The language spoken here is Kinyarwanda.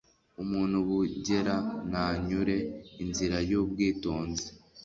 Umuntu ubungera ntanyure inzira y’ubwitonzi